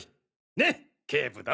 ねっ警部殿！